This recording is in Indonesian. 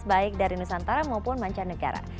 baik dari nusantara maupun mancanegara